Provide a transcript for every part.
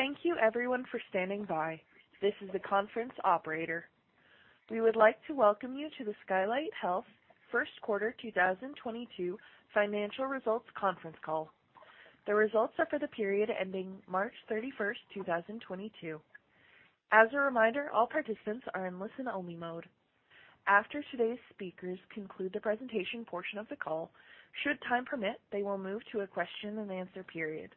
Thank you everyone for standing by. This is the conference operator. We would like to welcome you to the Skylight Health first quarter 2022 financial results conference call. The results are for the period ending March 31, 2022. As a reminder, all participants are in listen-only mode. After today's speakers conclude the presentation portion of the call, should time permit, they will move to a question and answer period.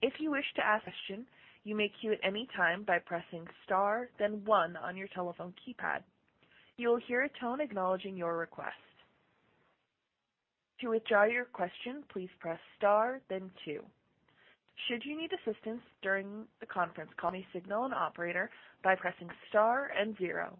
If you wish to ask a question, you may queue at any time by pressing star then one on your telephone keypad. You'll hear a tone acknowledging your request. To withdraw your question, please press star then two. Should you need assistance during the conference call, you signal an operator by pressing star and zero.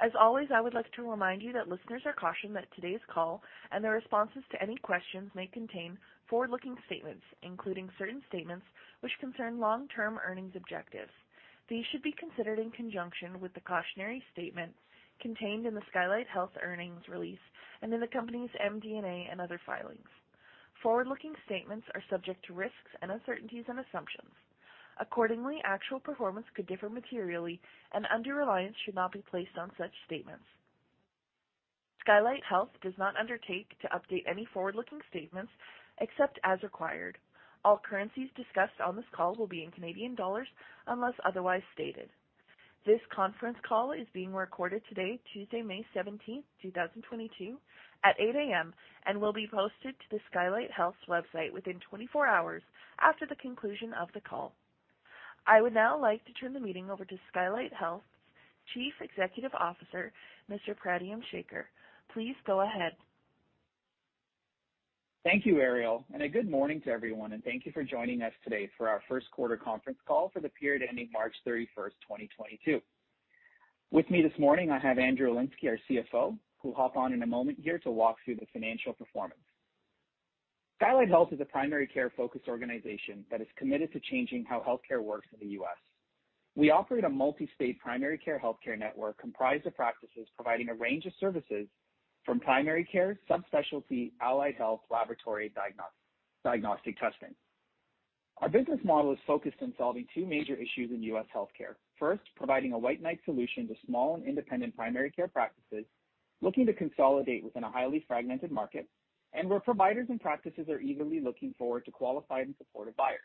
As always, I would like to remind you that listeners are cautioned that today's call and the responses to any questions may contain forward-looking statements, including certain statements which concern long-term earnings objectives. These should be considered in conjunction with the cautionary statements contained in the Skylight Health earnings release and in the company's MD&A and other filings. Forward-looking statements are subject to risks and uncertainties and assumptions. Accordingly, actual performance could differ materially, and undue reliance should not be placed on such statements. Skylight Health does not undertake to update any forward-looking statements except as required. All currencies discussed on this call will be in Canadian dollars unless otherwise stated. This conference call is being recorded today, Tuesday, May 17th, 2022, at 8:00 A.M., and will be posted to the Skylight Health's website within 24 hours after the conclusion of the call. I would now like to turn the meeting over to Skylight Health's Chief Executive Officer, Mr. Pradyum Sekar. Please go ahead. Thank you, Ariel, and a good morning to everyone, and thank you for joining us today for our first quarter conference call for the period ending March 31, 2022. With me this morning, I have Andrew Elinesky, our CFO, who'll hop on in a moment here to walk through the financial performance. Skylight Health is a primary care-focused organization that is committed to changing how healthcare works in the U.S. We operate a multi-state primary care healthcare network comprised of practices providing a range of services from primary care, subspecialty, allied health, laboratory diagnostic testing. Our business model is focused on solving two major issues in U.S. healthcare. First, providing a white knight solution to small and independent primary care practices looking to consolidate within a highly fragmented market and where providers and practices are eagerly looking forward to qualified and supportive buyers.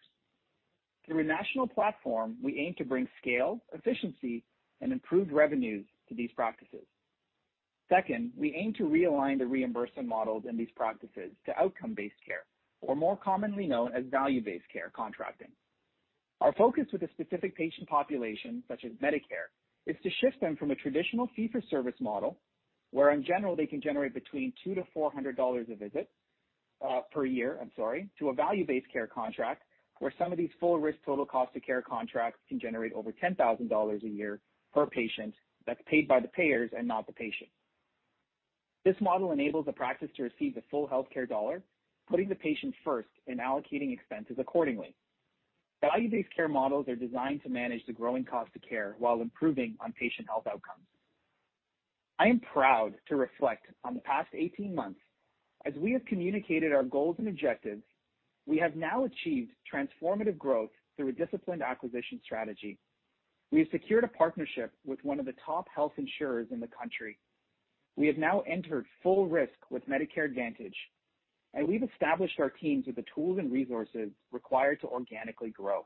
Through a national platform, we aim to bring scale, efficiency, and improved revenues to these practices. Second, we aim to realign the reimbursement models in these practices to outcome-based care, or more commonly known as value-based care contracting. Our focus with a specific patient population, such as Medicare, is to shift them from a traditional fee-for-service model, where in general, they can generate between 200-400 dollars a visit to a value-based care contract where some of these full risk total cost of care contracts can generate over 10,000 dollars a year per patient that's paid by the payers and not the patient. This model enables a practice to receive the full healthcare dollar, putting the patient first and allocating expenses accordingly. Value-based care models are designed to manage the growing cost of care while improving on patient health outcomes. I am proud to reflect on the past 18 months. As we have communicated our goals and objectives, we have now achieved transformative growth through a disciplined acquisition strategy. We have secured a partnership with one of the top health insurers in the country. We have now entered full risk with Medicare Advantage, and we've established our teams with the tools and resources required to organically grow.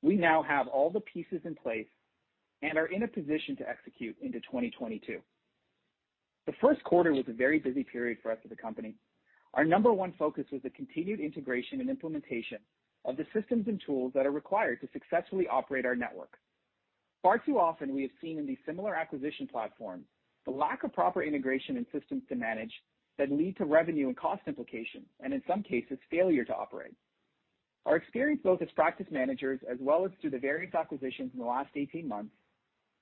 We now have all the pieces in place and are in a position to execute into 2022. The first quarter was a very busy period for us as a company. Our number one focus was the continued integration and implementation of the systems and tools that are required to successfully operate our network. Far too often we have seen in these similar acquisition platforms the lack of proper integration and systems to manage that lead to revenue and cost implications, and in some cases, failure to operate. Our experience both as practice managers as well as through the various acquisitions in the last 18 months,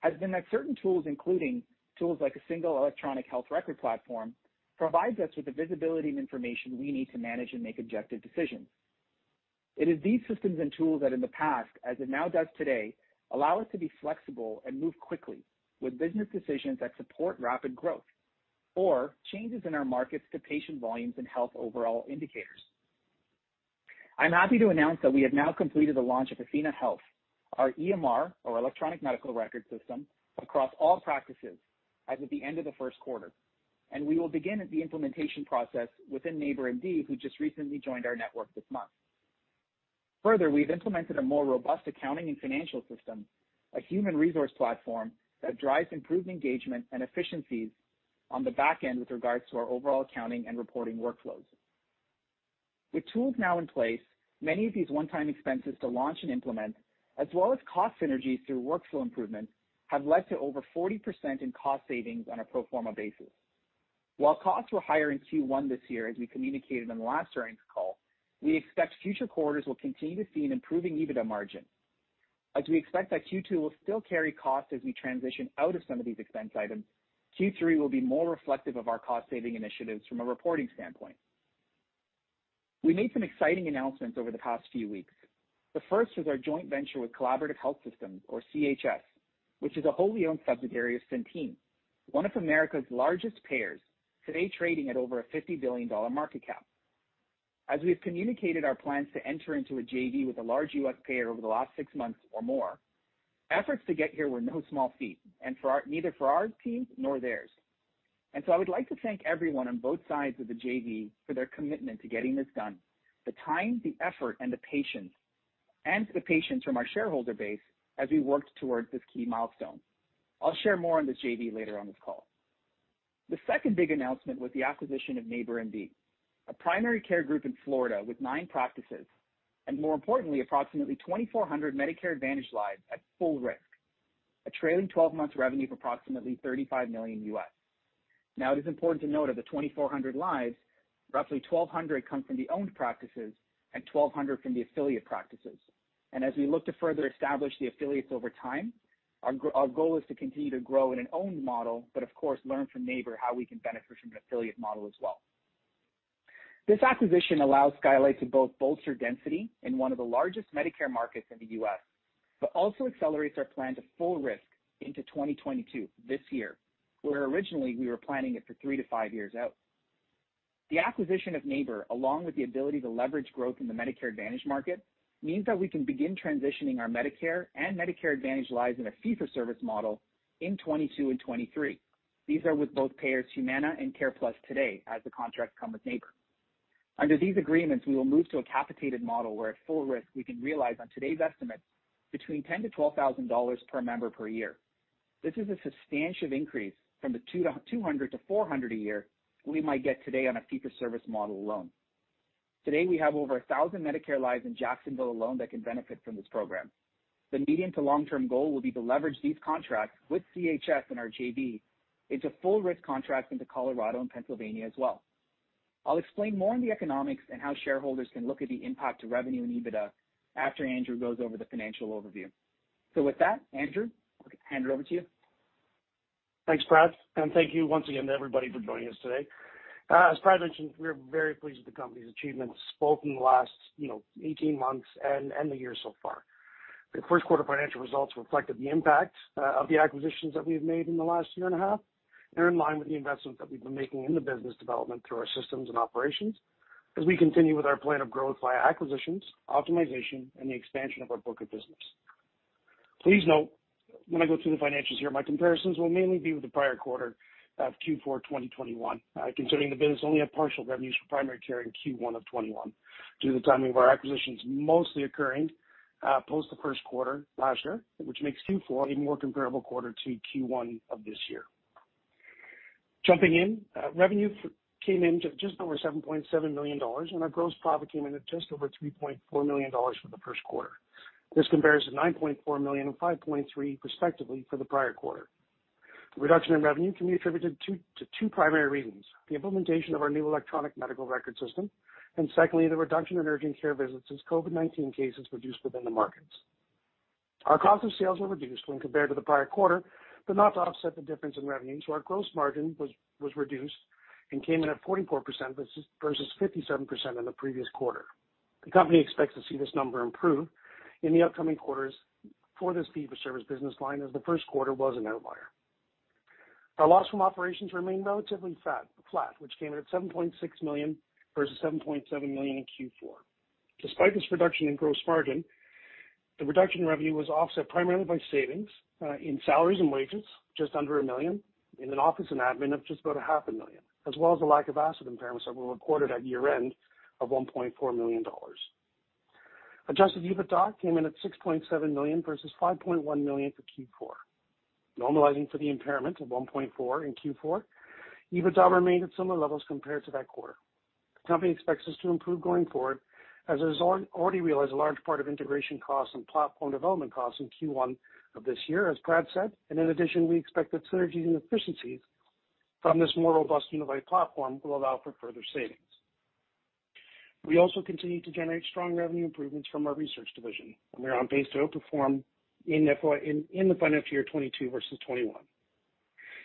has been that certain tools, including tools like a single electronic health record platform, provides us with the visibility and information we need to manage and make objective decisions. It is these systems and tools that in the past, as it now does today, allow us to be flexible and move quickly with business decisions that support rapid growth or changes in our markets to patient volumes and health overall indicators. I'm happy to announce that we have now completed the launch of athenahealth, our EMR or electronic medical record system, across all practices as of the end of the first quarter. We will begin the implementation process within NeighborMD, who just recently joined our network this month. Further, we've implemented a more robust accounting and financial system, a human resource platform that drives improved engagement and efficiencies on the back end with regards to our overall accounting and reporting workflows. With tools now in place, many of these one-time expenses to launch and implement, as well as cost synergies through workflow improvements, have led to over 40% in cost savings on a pro forma basis. While costs were higher in Q1 this year, as we communicated on the last earnings call, we expect future quarters will continue to see an improving EBITDA margin. As we expect that Q2 will still carry costs as we transition out of some of these expense items, Q3 will be more reflective of our cost-saving initiatives from a reporting standpoint. We made some exciting announcements over the past few weeks. The first was our joint venture with Collaborative Health Systems or CHS, which is a wholly owned subsidiary of Centene. One of America's largest payers today trading at over a 50 billion dollar market cap. As we've communicated our plans to enter into a JV with a large U.S. payer over the last six months or more, efforts to get here were no small feat, neither for our team nor theirs. I would like to thank everyone on both sides of the JV for their commitment to getting this done, the time, the effort, and the patience, and the patience from our shareholder base as we worked towards this key milestone. I'll share more on this JV later on this call. The second big announcement was the acquisition of NeighborMD, a primary care group in Florida with nine practices, and more importantly, approximately 2,400 Medicare Advantage lives at full risk, a trailing twelve months revenue of approximately 35 million. Now, it is important to note of the 2,400 lives, roughly 1,200 come from the owned practices and 1,200 from the affiliate practices. As we look to further establish the affiliates over time, our goal is to continue to grow in an owned model, but of course, learn from Neighbor how we can benefit from an affiliate model as well. This acquisition allows Skylight to both bolster density in one of the largest Medicare markets in the U.S., but also accelerates our plan to full risk into 2022 this year, where originally we were planning it for three-five years out. The acquisition of Neighbor, along with the ability to leverage growth in the Medicare Advantage market, means that we can begin transitioning our Medicare and Medicare Advantage lives in a fee-for-service model in 2022 and 2023. These are with both payers, Humana and CarePlus today, as the contracts come with Neighbor. Under these agreements, we will move to a capitated model where at full risk we can realize on today's estimates between 10,000-12,000 dollars per member per year. This is a substantial increase from the 200-400 a year we might get today on a fee-for-service model alone. Today, we have over 1,000 Medicare lives in Jacksonville alone that can benefit from this program. The medium to long-term goal will be to leverage these contracts with CHS and our JV into full risk contracts into Colorado and Pennsylvania as well. I'll explain more on the economics and how shareholders can look at the impact to revenue and EBITDA after Andrew goes over the financial overview. With that, Andrew, I'll hand it over to you. Thanks, Prad, and thank you once again to everybody for joining us today. As Prad mentioned, we are very pleased with the company's achievements, both in the last, you know, 18 months and the year so far. The first quarter financial results reflected the impact of the acquisitions that we've made in the last year and a half. They're in line with the investments that we've been making in the business development through our systems and operations as we continue with our plan of growth via acquisitions, optimization, and the expansion of our book of business. Please note, when I go through the financials here, my comparisons will mainly be with the prior quarter of Q4 of 2021, considering the business only had partial revenues for primary care in Q1 of 2021 due to the timing of our acquisitions mostly occurring post the first quarter last year, which makes Q4 a more comparable quarter to Q1 of this year. Jumping in, revenue came in to just over 7.7 million dollars, and our gross profit came in at just over 3.4 million dollars for the first quarter. This compares to 9.4 million and 5.3 million respectively for the prior quarter. The reduction in revenue can be attributed to two primary reasons, the implementation of our new electronic medical record system, and secondly, the reduction in urgent care visits as COVID-19 cases reduced within the markets. Our cost of sales were reduced when compared to the prior quarter, but not to offset the difference in revenue, so our gross margin was reduced and came in at 44% versus 57% in the previous quarter. The company expects to see this number improve in the upcoming quarters for this fee-for-service business line as the first quarter was an outlier. Our loss from operations remained relatively flat, which came in at 7.6 million versus 7.7 million in Q4. Despite this reduction in gross margin, the reduction in revenue was offset primarily by savings in salaries and wages, just under 1 million, in office and admin of just about 0.5 million, as well as the lack of asset impairments that were recorded at year-end of 1.4 million dollars. Adjusted EBITDA came in at 6.7 million versus 5.1 million for Q4. Normalizing for the impairment of 1.4 million in Q4, EBITDA remained at similar levels compared to that quarter. The company expects this to improve going forward, as it has already realized a large part of integration costs and platform development costs in Q1 of this year, as Brad said. In addition, we expect the synergies and efficiencies from this more robust unified platform will allow for further savings. We also continue to generate strong revenue improvements from our research division, and we're on pace to outperform in the financial year 2022 versus 2021.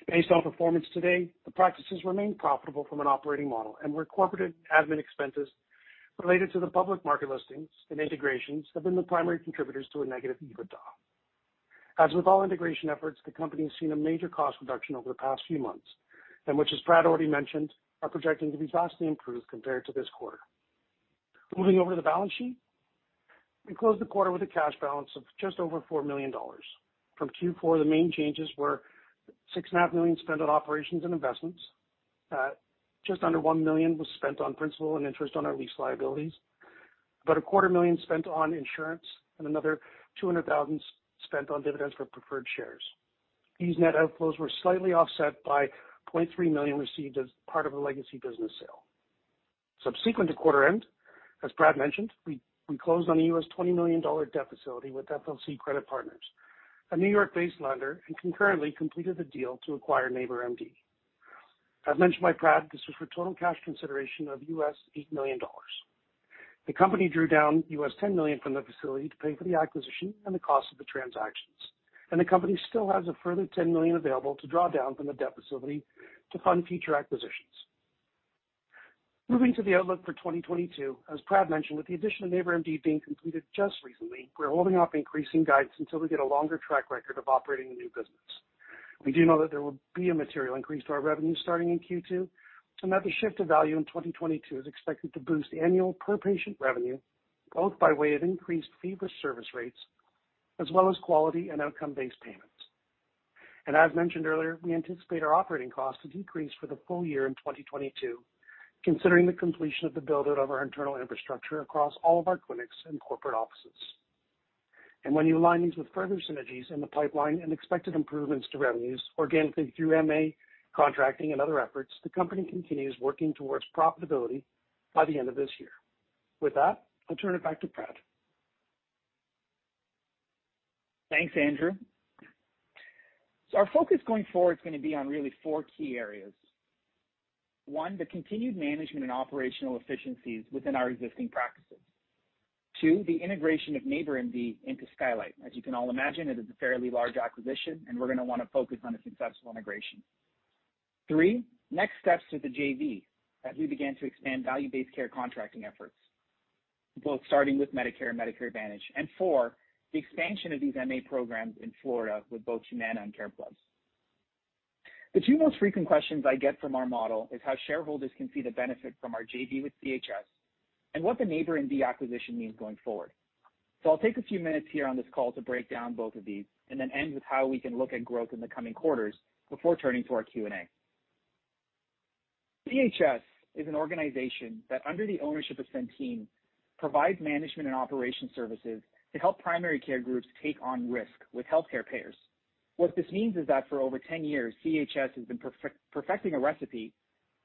Based on performance today, the practices remain profitable from an operating model. Where corporate admin expenses related to the public market listings and integrations have been the primary contributors to a negative EBITDA. As with all integration efforts, the company has seen a major cost reduction over the past few months. Which, as Prad already mentioned, are projecting to be vastly improved compared to this quarter. Moving over to the balance sheet. We closed the quarter with a cash balance of just over 4 million dollars. From Q4, the main changes were 6.5 million spent on operations and investments. Just under 1 million was spent on principal and interest on our lease liabilities. About a 250,000 spent on insurance and another 200,000 spent on dividends for preferred shares. These net outflows were slightly offset by 0.3 million received as part of a legacy business sale. Subsequent to quarter end, as Prad mentioned, we closed on a 20 million dollar debt facility with FLC Credit Partners, a New York-based lender, and concurrently completed the deal to acquire NeighborMD. As mentioned by Prad, this was for total cash consideration of 8 million dollars. The company drew down CAD 10 million from the facility to pay for the acquisition and the cost of the transactions. The company still has a further 10 million available to draw down from the debt facility to fund future acquisitions. Moving to the outlook for 2022. As Prad mentioned, with the addition of NeighborMD being completed just recently, we're holding off increasing guidance until we get a longer track record of operating the new business. We do know that there will be a material increase to our revenue starting in Q2, and that the shift of value in 2022 is expected to boost annual per-patient revenue, both by way of increased fee-for-service rates as well as quality and outcome-based payments. As mentioned earlier, we anticipate our operating costs to decrease for the full year in 2022, considering the completion of the build out of our internal infrastructure across all of our clinics and corporate offices. When you align these with further synergies in the pipeline and expected improvements to revenues organically through MA contracting and other efforts, the company continues working towards profitability by the end of this year. With that, I'll turn it back to Prad. Thanks, Andrew. Our focus going forward is gonna be on really four key areas. One, the continued management and operational efficiencies within our existing practices. Two, the integration of NeighborMD into Skylight. As you can all imagine, it is a fairly large acquisition and we're gonna wanna focus on a successful integration. Three, next steps with the JV as we begin to expand value-based care contracting efforts, both starting with Medicare and Medicare Advantage. Four, the expansion of these MA programs in Florida with both Humana and CarePlus. The two most frequent questions I get from our model is how shareholders can see the benefit from our JV with CHS and what the NeighborMD acquisition means going forward. I'll take a few minutes here on this call to break down both of these and then end with how we can look at growth in the coming quarters before turning to our Q&A. CHS is an organization that, under the ownership of Centene, provides management and operation services to help primary care groups take on risk with healthcare payers. What this means is that for over 10 years, CHS has been perfecting a recipe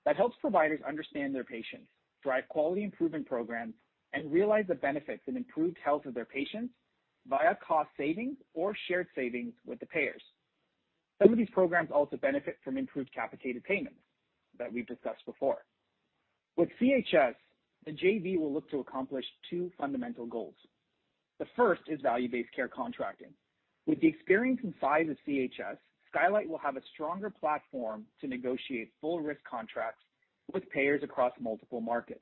that helps providers understand their patients, drive quality improvement programs, and realize the benefits and improved health of their patients via cost savings or shared savings with the payers. Some of these programs also benefit from improved capitated payments that we've discussed before. With CHS, the JV will look to accomplish two fundamental goals. The first is value-based care contracting. With the experience and size of CHS, Skylight will have a stronger platform to negotiate full risk contracts with payers across multiple markets.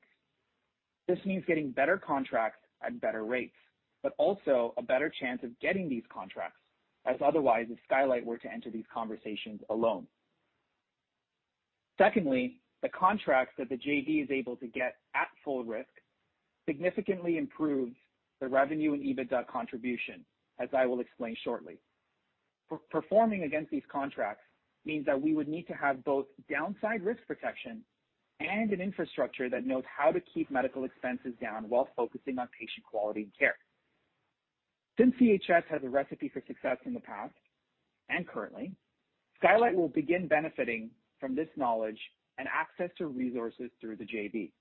This means getting better contracts at better rates, but also a better chance of getting these contracts than if Skylight were to enter these conversations alone. Secondly, the contracts that the JV is able to get at full risk significantly improves the revenue and EBITDA contribution, as I will explain shortly. Poor-performing against these contracts means that we would need to have both downside risk protection and an infrastructure that knows how to keep medical expenses down while focusing on patient quality and care. Since CHS has a recipe for success in the past and currently, Skylight will begin benefiting from this knowledge and access to resources through the JV.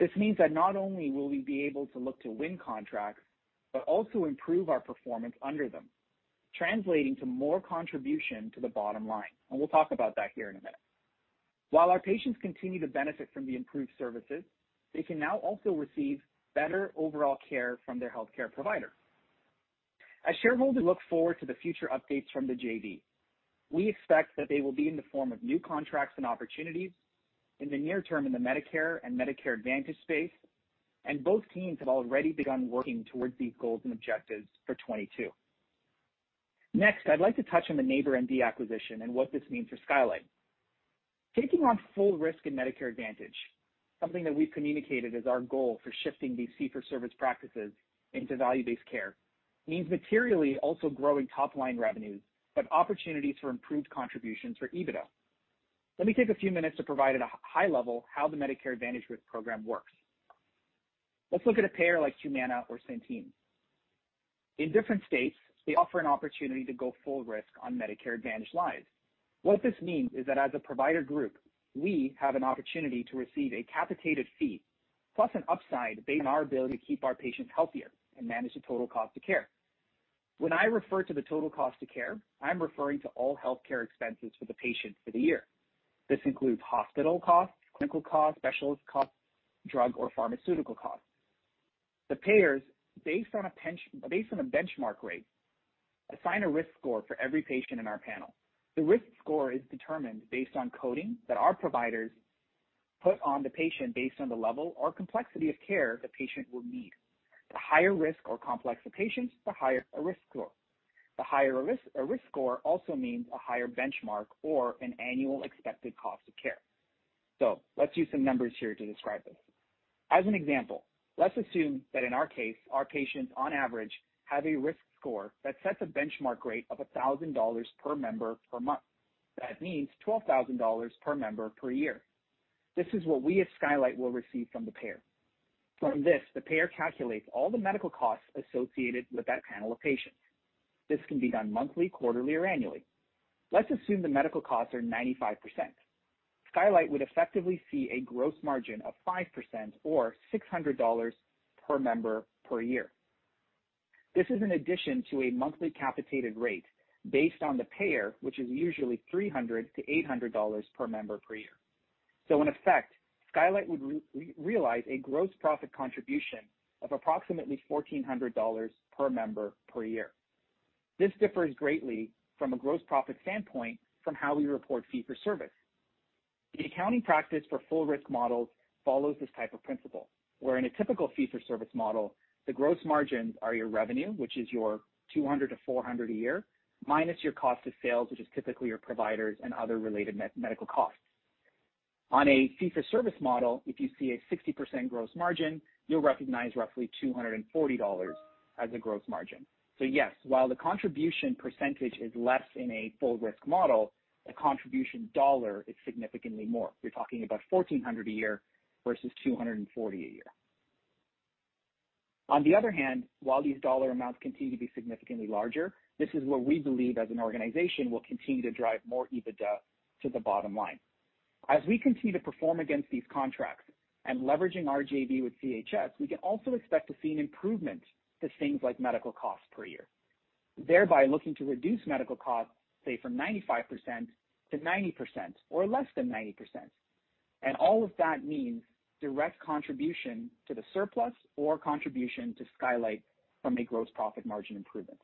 This means that not only will we be able to look to win contracts, but also improve our performance under them, translating to more contribution to the bottom line, and we'll talk about that here in a minute. While our patients continue to benefit from the improved services, they can now also receive better overall care from their healthcare provider. As shareholders look forward to the future updates from the JV, we expect that they will be in the form of new contracts and opportunities in the near term in the Medicare and Medicare Advantage space, and both teams have already begun working towards these goals and objectives for 2022. Next, I'd like to touch on the NeighborMD acquisition and what this means for Skylight. Taking on full risk in Medicare Advantage, something that we've communicated as our goal for shifting these fee-for-service practices into value-based care, means materially also growing top-line revenues, but opportunities for improved contributions for EBITDA. Let me take a few minutes to provide at a high level how the Medicare Advantage risk program works. Let's look at a payer like Humana or Centene. In different states, they offer an opportunity to go full risk on Medicare Advantage lives. What this means is that as a provider group, we have an opportunity to receive a capitated fee, plus an upside based on our ability to keep our patients healthier and manage the total cost of care. When I refer to the total cost of care, I'm referring to all healthcare expenses for the patient for the year. This includes hospital costs, clinical costs, specialist costs, drug or pharmaceutical costs. The payers, based on a benchmark rate, assign a risk score for every patient in our panel. The risk score is determined based on coding that our providers put on the patient based on the level or complexity of care the patient will need. The higher risk or complex the patients, the higher a risk score. The higher a risk, a risk score also means a higher benchmark or an annual expected cost of care. Let's use some numbers here to describe this. As an example, let's assume that in our case, our patients on average have a risk score that sets a benchmark rate of 1,000 dollars per member per month. That means 12,000 dollars per member per year. This is what we as Skylight will receive from the payer. From this, the payer calculates all the medical costs associated with that panel of patients. This can be done monthly, quarterly, or annually. Let's assume the medical costs are 95%. Skylight would effectively see a gross margin of 5% or 600 dollars per member per year. This is in addition to a monthly capitated rate based on the payer, which is usually 300-800 dollars per member per year. In effect, Skylight would realize a gross profit contribution of approximately 1,400 dollars per member per year. This differs greatly from a gross profit standpoint from how we report fee-for-service. The accounting practice for full risk models follows this type of principle, where in a typical fee-for-service model, the gross margins are your revenue, which is your 200-400 a year, minus your cost of sales, which is typically your providers and other related medical costs. On a fee-for-service model, if you see a 60% gross margin, you'll recognize roughly 240 dollars as a gross margin. Yes, while the contribution percentage is less in a full risk model, the contribution dollar is significantly more. We're talking about 1,400 a year versus 240 a year. On the other hand, while these dollar amounts continue to be significantly larger, this is where we believe as an organization will continue to drive more EBITDA to the bottom line. As we continue to perform against these contracts and leveraging our JV with CHS, we can also expect to see an improvement to things like medical costs per year. Thereby looking to reduce medical costs, say from 95% to 90% or less than 90%. All of that means direct contribution to the surplus or contribution to Skylight from a gross profit margin improvement.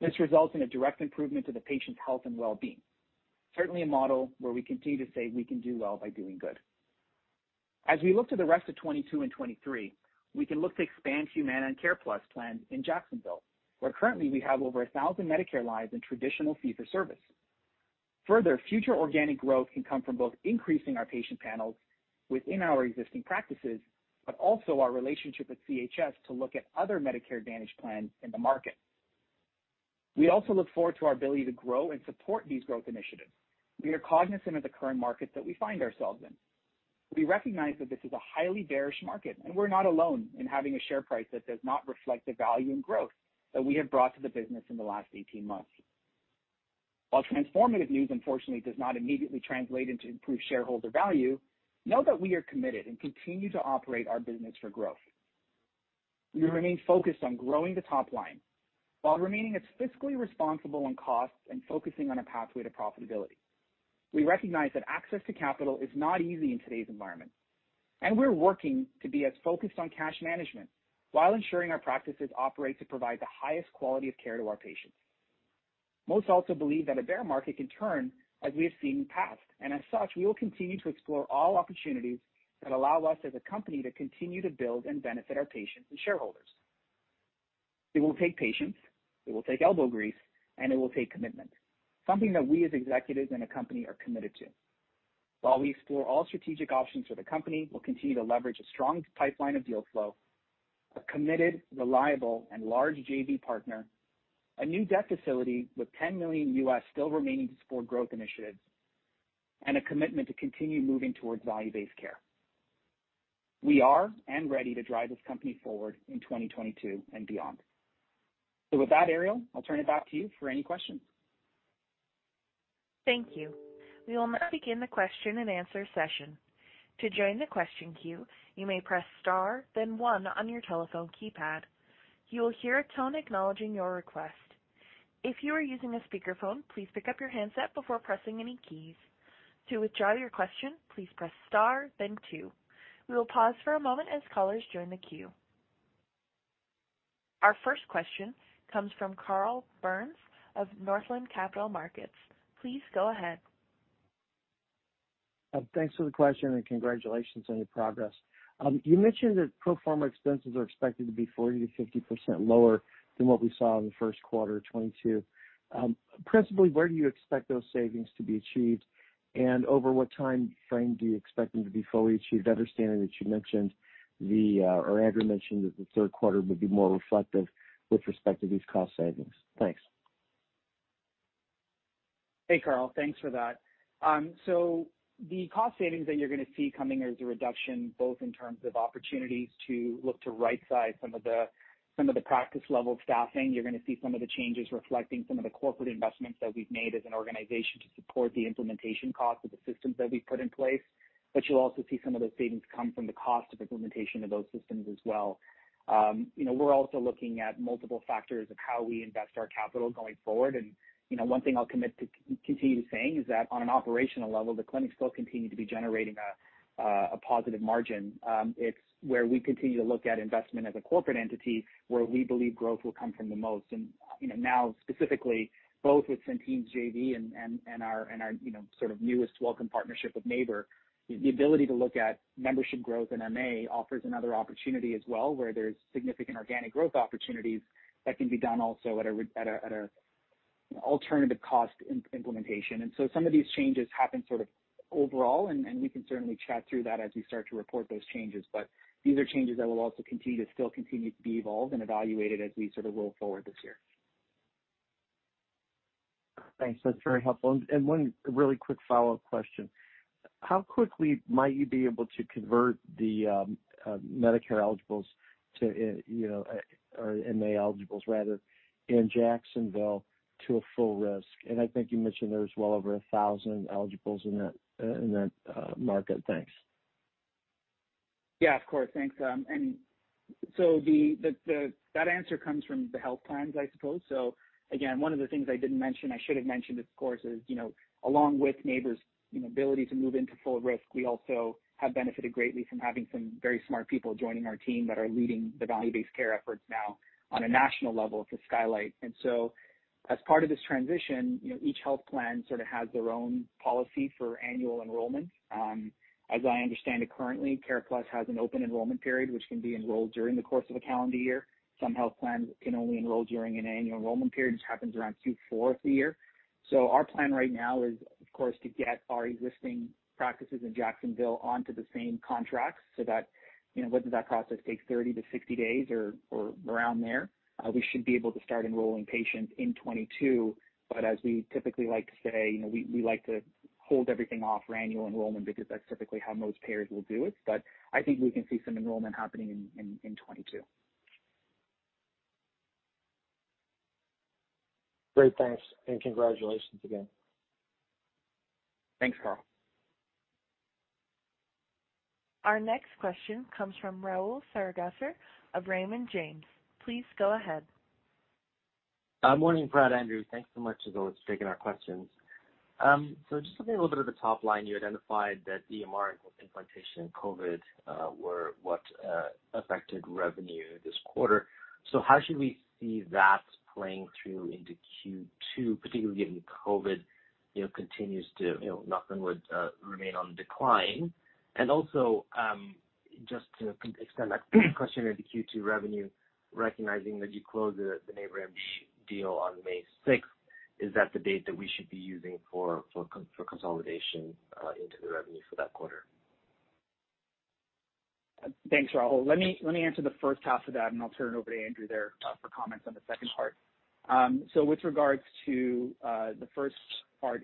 This results in a direct improvement to the patient's health and well-being. Certainly a model where we continue to say we can do well by doing good. As we look to the rest of 2022 and 2023, we can look to expand Humana and CarePlus plans in Jacksonville, where currently we have over 1,000 Medicare lives in traditional fee-for-service. Further, future organic growth can come from both increasing our patient panels within our existing practices, but also our relationship with CHS to look at other Medicare Advantage plans in the market. We also look forward to our ability to grow and support these growth initiatives. We are cognizant of the current market that we find ourselves in. We recognize that this is a highly bearish market, and we're not alone in having a share price that does not reflect the value and growth that we have brought to the business in the last 18 months. While transformative news unfortunately does not immediately translate into improved shareholder value, know that we are committed and continue to operate our business for growth. We remain focused on growing the top line while remaining as fiscally responsible on costs and focusing on a pathway to profitability. We recognize that access to capital is not easy in today's environment, and we're working to be as focused on cash management while ensuring our practices operate to provide the highest quality of care to our patients. Most also believe that a bear market can turn as we have seen in the past, and as such, we will continue to explore all opportunities that allow us as a company to continue to build and benefit our patients and shareholders. It will take patience, it will take elbow grease, and it will take commitment, something that we as executives and a company are committed to. While we explore all strategic options for the company, we'll continue to leverage a strong pipeline of deal flow, a committed, reliable, and large JV partner, a new debt facility with 10 million still remaining to support growth initiatives, and a commitment to continue moving towards value-based care. We are ready to drive this company forward in 2022 and beyond. With that, Ariel, I'll turn it back to you for any questions. Thank you. We will now begin the question-and-answer session. To join the question queue, you may press star then one on your telephone keypad. You will hear a tone acknowledging your request. If you are using a speakerphone, please pick up your handset before pressing any keys. To withdraw your question, please press star then two. We will pause for a moment as callers join the queue. Our first question comes from Carl Byrnes of Northland Capital Markets. Please go ahead. Thanks for the question and congratulations on your progress. You mentioned that pro forma expenses are expected to be 40%-50% lower than what we saw in the first quarter of 2022. Principally, where do you expect those savings to be achieved? Over what time frame do you expect them to be fully achieved? Understanding that or Andrew mentioned that the third quarter would be more reflective with respect to these cost savings. Thanks. Hey, Carl. Thanks for that. The cost savings that you're gonna see coming as a reduction, both in terms of opportunities to look to right size some of the practice level staffing. You're gonna see some of the changes reflecting some of the corporate investments that we've made as an organization to support the implementation costs of the systems that we've put in place. You'll also see some of those savings come from the cost of implementation of those systems as well. You know, we're also looking at multiple factors of how we invest our capital going forward. You know, one thing I'll commit to continue saying is that on an operational level, the clinics still continue to be generating a positive margin. It's where we continue to look at investment as a corporate entity where we believe growth will come from the most. You know, now specifically, both with Centene's JV and our, you know, sort of newest welcome partnership with NeighborMD, the ability to look at membership growth in MA offers another opportunity as well, where there's significant organic growth opportunities that can be done also at a alternative cost implementation. Some of these changes happen sort of overall, and we can certainly chat through that as we start to report those changes. These are changes that will also continue to still continue to be evolved and evaluated as we sort of roll forward this year. Thanks. That's very helpful. One really quick follow-up question. How quickly might you be able to convert the Medicare eligibles to, you know, or MA eligibles rather, in Jacksonville to a full risk? I think you mentioned there's well over 1,000 eligibles in that market. Thanks. Yeah, of course. Thanks. That answer comes from the health plans, I suppose. Again, one of the things I didn't mention, I should have mentioned, of course, is, you know, along with NeighborMD's, you know, ability to move into full risk, we also have benefited greatly from having some very smart people joining our team that are leading the value-based care efforts now on a national level for Skylight. As part of this transition, you know, each health plan sort of has their own policy for annual enrollment. As I understand it currently, CarePlus has an open enrollment period, which can be enrolled during the course of a calendar year. Some health plans can only enroll during an annual enrollment period, which happens around Q4 of the year. Our plan right now is, of course, to get our existing practices in Jacksonville onto the same contracts so that, you know, whether that process takes 30 days-60 days or around there, we should be able to start enrolling patients in 2022. As we typically like to say, you know, we like to hold everything off for annual enrollment because that's typically how most payers will do it. I think we can see some enrollment happening in 2022. Great. Thanks, and congratulations again. Thanks, Carl. Our next question comes from Rahul Sarugaser of Raymond James. Please go ahead. Morning, Prad, Andrew. Thanks so much for those taking our questions. Just looking a little bit at the top line, you identified that EMR implementation and COVID were what affected revenue this quarter. How should we see that playing through into Q2, particularly given COVID, you know, continues to, you know, knock on wood, remain on the decline? Just to extend that question into Q2 revenue, recognizing that you closed the NeighborMD deal on May 6th, is that the date that we should be using for consolidation into the revenue for that quarter? Thanks, Rahul. Let me answer the first half of that, and I'll turn it over to Andrew there for comments on the second part. With regards to the first part.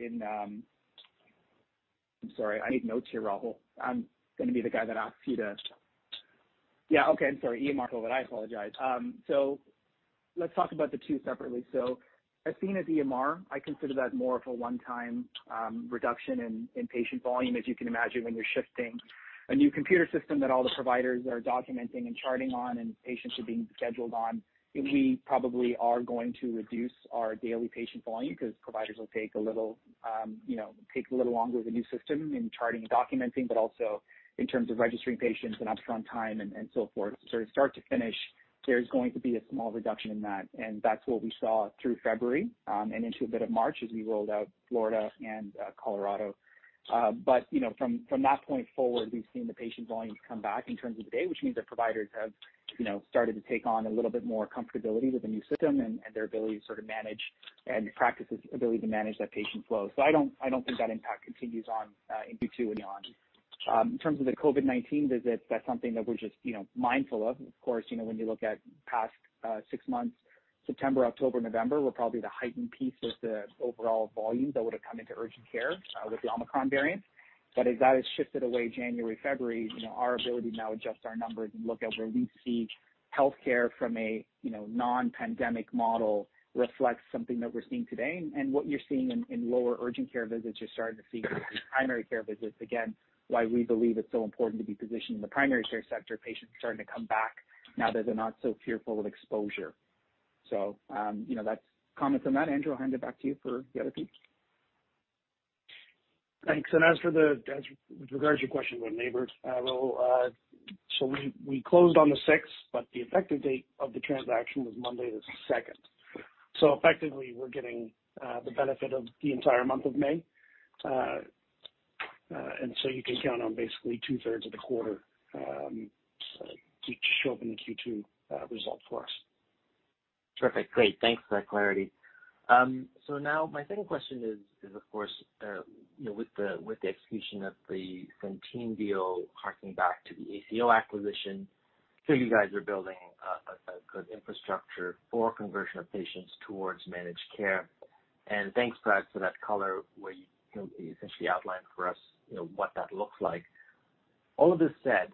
I'm sorry. I need notes here, Rahul. I'm gonna be the guy that asks you to. Yeah, okay. I'm sorry. EMR rollout. I apologize. Let's talk about the two separately. athenahealth's EMR, I consider that more of a one-time reduction in patient volume. As you can imagine, when you're shifting a new computer system that all the providers are documenting and charting on and patients are being scheduled on, we probably are going to reduce our daily patient volume because providers will take a little, you know, take a little longer with a new system in charting and documenting, but also in terms of registering patients and show up on time and so forth. Sort of start to finish, there's going to be a small reduction in that, and that's what we saw through February and into a bit of March as we rolled out Florida and Colorado. You know, from that point forward, we've seen the patient volumes come back in terms of the day, which means our providers have, you know, started to take on a little bit more comfortability with the new system and their ability to sort of manage and practices' ability to manage that patient flow. I don't think that impact continues on in Q2 and beyond. In terms of the COVID-19 visits, that's something that we're just, you know, mindful of. Of course, you know, when you look at past six months, September, October, November were probably the heightened piece of the overall volume that would've come into urgent care with the Omicron variant. As that has shifted away January, February, you know, our ability to now adjust our numbers and look at where we see healthcare from a, you know, non-pandemic model reflects something that we're seeing today. What you're seeing in lower urgent care visits, you're starting to see in primary care visits. Again, why we believe it's so important to be positioned in the primary care sector. Patients are starting to come back now that they're not so fearful of exposure. You know, that's comments on that. Andrew, I'll hand it back to you for the other piece. Thanks. As with regards to your question about NeighborMD, Rahul, we closed on the 6th, but the effective date of the transaction was Monday the 2nd. Effectively, we're getting the benefit of the entire month of May. You can count on basically two-thirds of the quarter to show up in the Q2 results for us. Perfect. Great. Thanks for that clarity. Now my second question is, of course, you know, with the execution of the Centene deal harking back to the ACO acquisition, you guys are building a good infrastructure for conversion of patients towards managed care. Thanks, Prad, for that color where you know, you essentially outlined for us, you know, what that looks like. All of this said,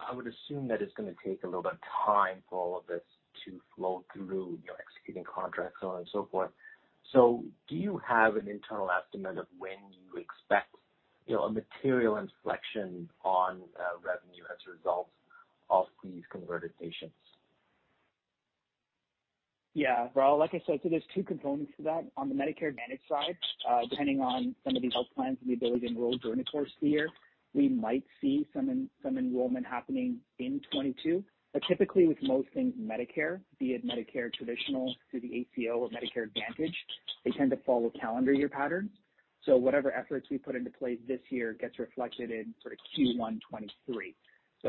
I would assume that it's gonna take a little bit of time for all of this to flow through, you know, executing contracts, so on and so forth. Do you have an internal estimate of when you expect, you know, a material inflection on revenue as a result of these converted patients? Rahul, like I said, there's two components to that. On the Medicare Advantage side, depending on some of the health plans and the ability to enroll during the course of the year, we might see some enrollment happening in 2022. Typically, with most things Medicare, be it Medicare traditional through the ACO or Medicare Advantage, they tend to follow calendar year patterns. Whatever efforts we put into place this year gets reflected in sort of Q1 2023.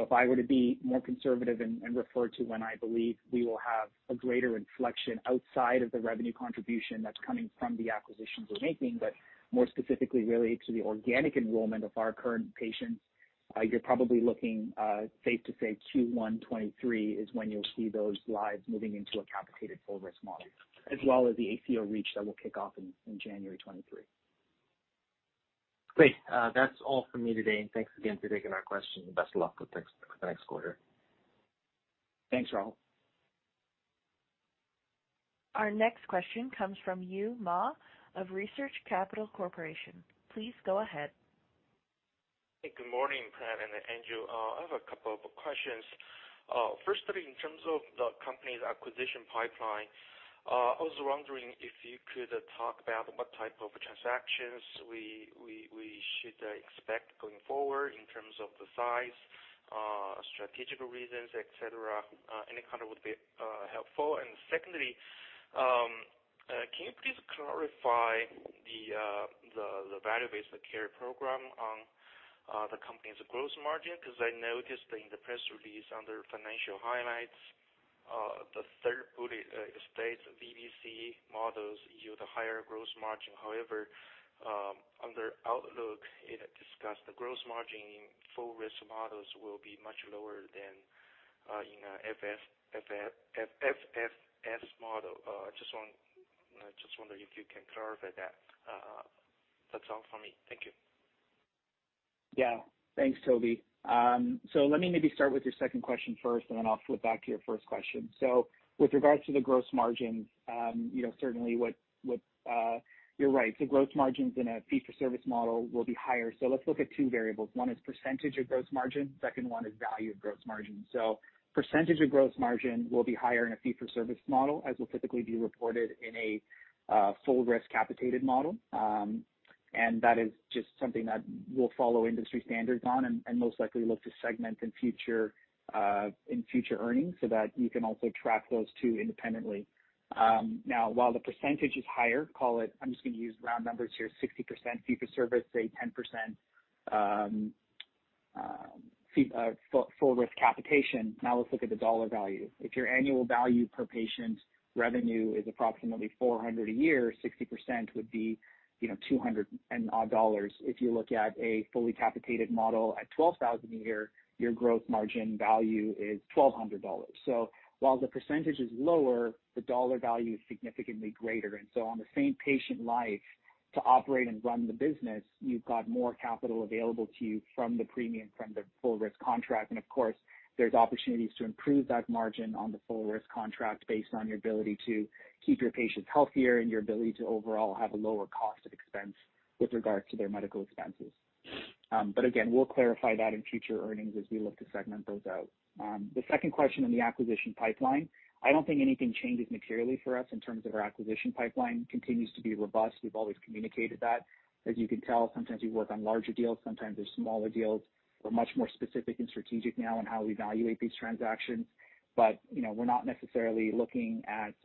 If I were to be more conservative and refer to when I believe we will have a greater inflection outside of the revenue contribution that's coming from the acquisitions we're making, but more specifically related to the organic enrollment of our current patients, you're probably looking safe to say Q1 2023 is when you'll see those lives moving into a capitated full risk model, as well as the ACO REACH that will kick off in January 2023. Great. That's all from me today, and thanks again for taking our questions. Best of luck with the next quarter. Thanks, Rahul. Our next question comes from Yue Ma of Research Capital Corporation. Please go ahead. Hey, good morning, Prad and Andrew. I have a couple of questions. Firstly, in terms of the company's acquisition pipeline, I was wondering if you could talk about what type of transactions we should expect going forward in terms of the size, strategic reasons, et cetera. Any color would be helpful. Secondly, can you please clarify the value-based care program on the company's gross margin? 'Cause I noticed in the press release under financial highlights, the third bullet states VBC models yield a higher gross margin. However, under outlook, it discussed the gross margin in full risk models will be much lower than in a FFS model. I just wonder if you can clarify that. That's all for me. Thank you. Yeah. Thanks, Toby. Let me maybe start with your second question first, and then I'll flip back to your first question. With regards to the gross margin, you know, certainly, you're right, the gross margins in a fee-for-service model will be higher. Let's look at two variables. One is percentage of gross margin, second one is value of gross margin. Percentage of gross margin will be higher in a fee-for-service model, as will typically be reported in a full risk capitated model. That is just something that we'll follow industry standards on and most likely look to segment in future earnings so that you can also track those two independently. While the percentage is higher, call it, I'm just gonna use round numbers here, 60% fee-for-service, say 10%, full-risk capitation. Now, let's look at the dollar value. If your annual value per patient revenue is approximately 400 a year, 60% would be, you know, 200 and odd dollars. If you look at a fully capitated model at 12,000 a year, your gross margin value is 1,200 dollars. While the percentage is lower, the dollar value is significantly greater. On the same patient load to operate and run the business, you've got more capital available to you from the premium, from the full risk contract. Of course, there's opportunities to improve that margin on the full risk contract based on your ability to keep your patients healthier and your ability to overall have a lower cost of expense with regards to their medical expenses. Again, we'll clarify that in future earnings as we look to segment those out. The second question on the acquisition pipeline, I don't think anything changes materially for us in terms of our acquisition pipeline continues to be robust. We've always communicated that. As you can tell, sometimes we work on larger deals, sometimes there's smaller deals. We're much more specific and strategic now on how we evaluate these transactions. You know, we're not necessarily looking at,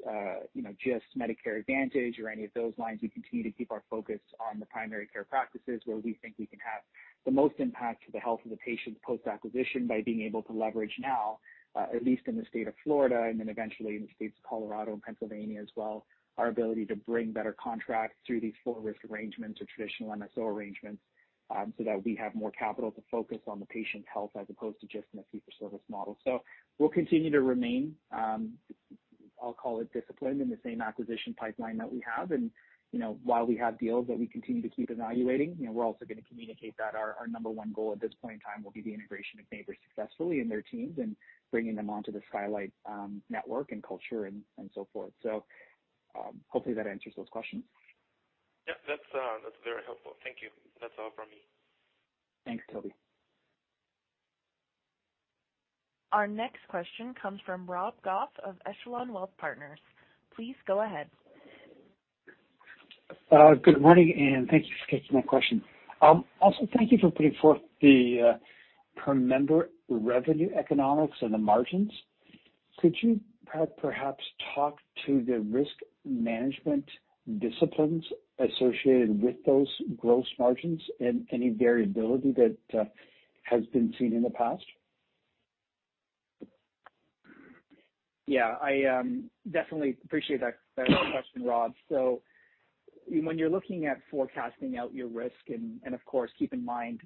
you know, just Medicare Advantage or any of those lines. We continue to keep our focus on the primary care practices where we think we can have the most impact to the health of the patient post-acquisition by being able to leverage now, at least in the state of Florida, and then eventually in the states of Colorado and Pennsylvania as well, our ability to bring better contracts through these full risk arrangements or traditional MSO arrangements, so that we have more capital to focus on the patient's health as opposed to just in a fee-for-service model. We'll continue to remain, I'll call it disciplined in the same acquisition pipeline that we have. you know, while we have deals that we continue to keep evaluating, you know, we're also gonna communicate that our number one goal at this point in time will be the integration of Neighbor successfully and their teams and bringing them onto the Skylight network and culture and so forth. Hopefully that answers those questions. Yep, that's very helpful. Thank you. That's all from me. Thanks, Toby. Our next question comes from Rob Goff of Echelon Wealth Partners. Please go ahead. Good morning, and thank you for taking my question. Also, thank you for putting forth the per member revenue economics and the margins. Could you perhaps talk to the risk management disciplines associated with those gross margins and any variability that has been seen in the past? Yeah, I definitely appreciate that question, Rob. When you're looking at forecasting out your risk, and of course, keep in mind,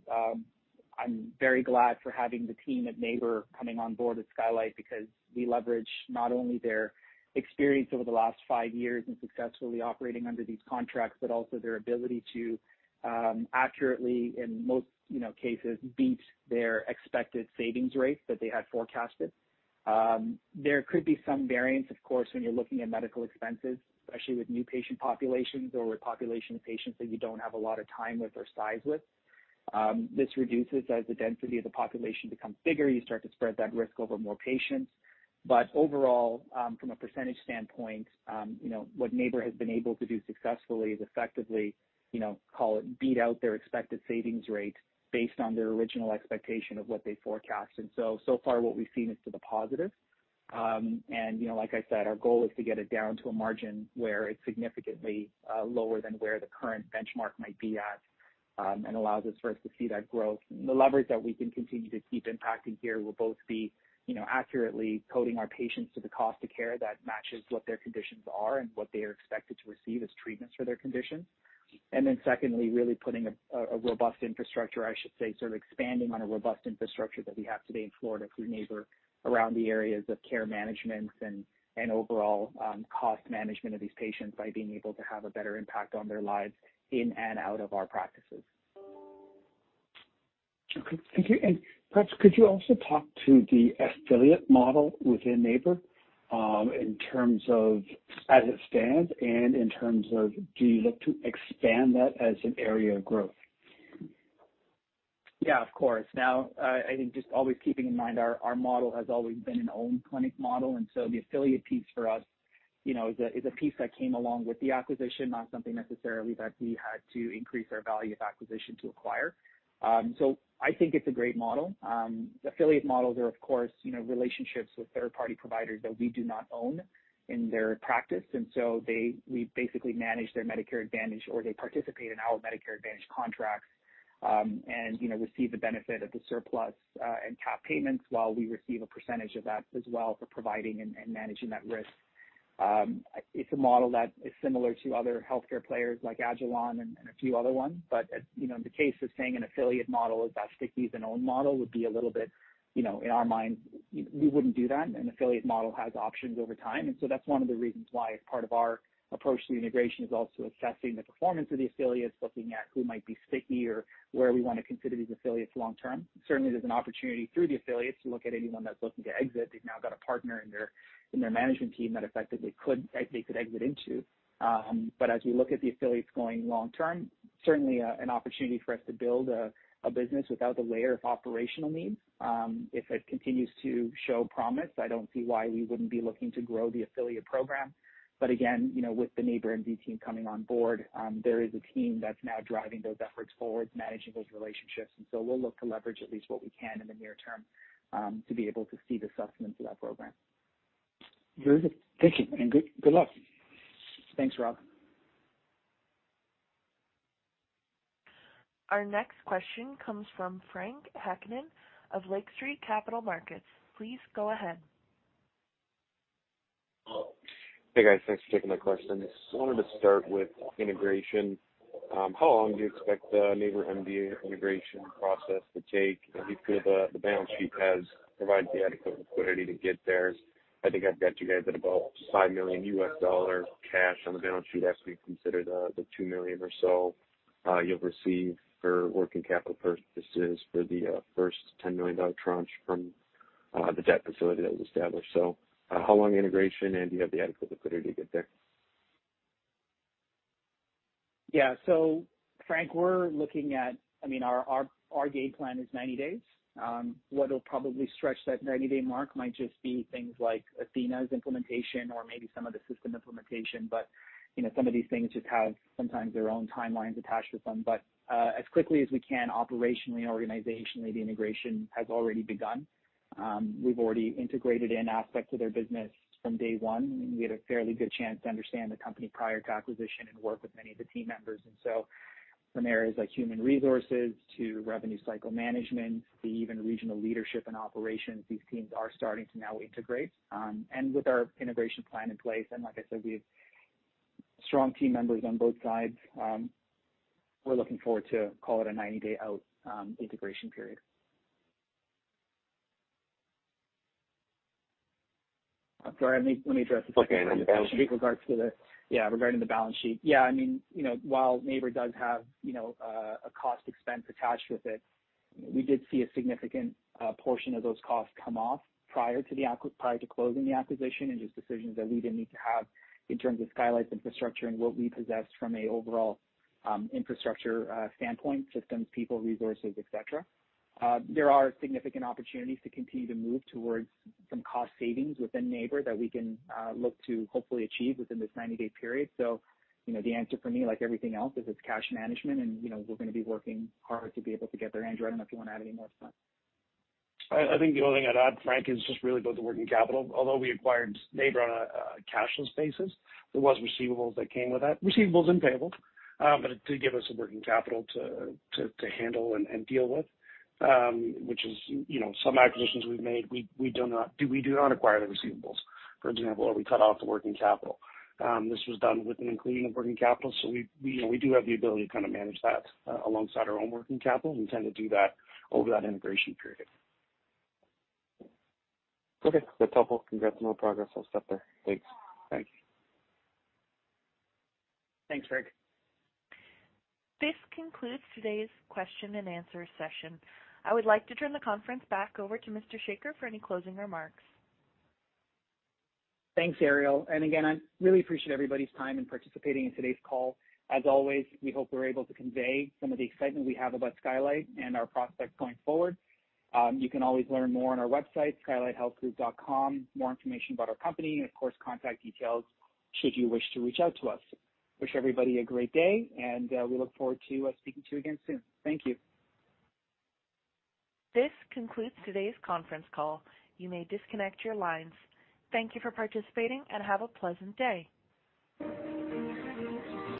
I'm very glad for having the team at Neighbor coming on board with Skylight because we leverage not only their experience over the last five years in successfully operating under these contracts, but also their ability to accurately, in most, you know, cases, beat their expected savings rate that they had forecasted. There could be some variance, of course, when you're looking at medical expenses, especially with new patient populations or with population of patients that you don't have a lot of time with or size with. This reduces as the density of the population becomes bigger, you start to spread that risk over more patients. Overall, from a percentage standpoint, you know, what Neighbor has been able to do successfully is effectively, you know, call it, beat out their expected savings rate based on their original expectation of what they forecast. So far what we've seen is to the positive. You know, like I said, our goal is to get it down to a margin where it's significantly lower than where the current benchmark might be at, and allows us to see that growth. The leverage that we can continue to keep impacting here will both be, you know, accurately coding our patients to the cost of care that matches what their conditions are and what they are expected to receive as treatments for their conditions. Secondly, really putting a robust infrastructure, I should say, sort of expanding on a robust infrastructure that we have today in Florida through Neighbor around the areas of care management and overall cost management of these patients by being able to have a better impact on their lives in and out of our practices. Okay. Thank you. Perhaps could you also talk to the affiliate model within Neighbor, in terms of as it stands and in terms of do you look to expand that as an area of growth? Yeah, of course. Now, just always keeping in mind our model has always been an owned clinic model, the affiliate piece for us, you know, is a piece that came along with the acquisition, not something necessarily that we had to increase our value of acquisition to acquire. I think it's a great model. The affiliate models are, of course, you know, relationships with third party providers that we do not own in their practice, and so we basically manage their Medicare Advantage or they participate in our Medicare Advantage contracts. You know, receive the benefit of the surplus and cap payments while we receive a percentage of that as well for providing and managing that risk. It's a model that is similar to other healthcare players like agilon health and a few other ones. You know, in the case of saying an affiliate model is as sticky as an own model would be a little bit, you know, in our minds we wouldn't do that. An affiliate model has options over time, and so that's one of the reasons why part of our approach to the integration is also assessing the performance of the affiliates, looking at who might be stickier, where we wanna consider these affiliates long-term. Certainly, there's an opportunity through the affiliates to look at anyone that's looking to exit. They've now got a partner in their management team that effectively they could exit into. As we look at the affiliates going long term, certainly, an opportunity for us to build a business without the layer of operational needs. If it continues to show promise, I don't see why we wouldn't be looking to grow the affiliate program. Again, you know, with the NeighborMD team coming on board, there is a team that's now driving those efforts forward, managing those relationships, and so we'll look to leverage at least what we can in the near term, to be able to see the sustenance of that program. Very good. Thank you, and good luck. Thanks, Rob. Our next question comes from Frank Takkinen of Lake Street Capital Markets. Please go ahead. Hey, guys. Thanks for taking my questions. I wanted to start with integration. How long do you expect the NeighborMD integration process to take? And do you feel the balance sheet has provided the adequate liquidity to get there? I think I've got you guys at about CAD 5 million cash on the balance sheet as we consider the 2 million or so you'll receive for working capital purposes for the first 10 million dollar tranche from the debt facility that was established. How long integration, and do you have the adequate liquidity to get there? Yeah. Frank, we're looking at our gate plan is 90 days. What'll probably stretch that 90-day mark might just be things like athenahealth's implementation or maybe some of the system implementation. You know, some of these things just have sometimes their own timelines attached with them. As quickly as we can, operationally and organizationally, the integration has already begun. We've already integrated in aspects of their business from day one, and we had a fairly good chance to understand the company prior to acquisition and work with many of the team members. From areas like human resources to revenue cycle management, even regional leadership and operations, these teams are starting to now integrate. With our integration plan in place, and like I said, we have strong team members on both sides, we're looking forward to call it a 90-day out integration period. I'm sorry, let me address the second part. Okay. Yeah, regarding the balance sheet. Yeah, I mean, you know, while Neighbor does have, you know, a cost expense attached with it, we did see a significant portion of those costs come off prior to closing the acquisition, and just decisions that we didn't need to have in terms of Skylight's infrastructure and what we possess from an overall infrastructure standpoint, systems, people, resources, et cetera. There are significant opportunities to continue to move towards some cost savings within Neighbor that we can look to hopefully achieve within this 90-day period. You know, the answer for me, like everything else, is it's cash management and, you know, we're gonna be working hard to be able to get there. Andrew, I don't know if you wanna add any more to that. I think the only thing I'd add, Frank, is just really about the working capital. Although we acquired Neighbor on a cashless basis, there was receivables that came with that, receivables and payables. But it did give us a working capital to handle and deal with, which is, you know, some acquisitions we've made, we do not acquire the receivables, for example, or we cut off the working capital. This was done with and including the working capital. So we, you know, we do have the ability to kinda manage that alongside our own working capital. We intend to do that over that integration period. Okay. That's helpful. Congrats on all progress. I'll stop there. Thanks. Thank you. Thanks, Frank. This concludes today's question and answer session. I would like to turn the conference back over to Mr. Sekar for any closing remarks. Thanks, Ariel. Again, I really appreciate everybody's time in participating in today's call. As always, we hope we're able to convey some of the excitement we have about Skylight and our prospects going forward. You can always learn more on our website, skylighthealthgroup.com, more information about our company and, of course, contact details should you wish to reach out to us. Wish everybody a great day, and we look forward to speaking to you again soon. Thank you. This concludes today's conference call. You may disconnect your lines. Thank you for participating, and have a pleasant day.